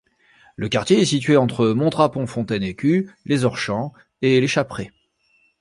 Le quartier est situé entre Montrapon-Fontaine-Écu, Les Orchamps et Les Chaprais.